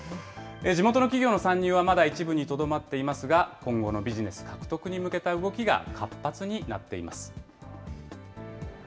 地元の企業の参入はまだ一部にとどまっていますが、今後のビジネス獲得に向けた動きが活発になっています。